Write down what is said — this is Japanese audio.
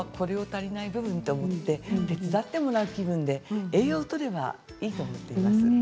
足りない部分と思って手伝ってもらうということで栄養をとればいいと思います。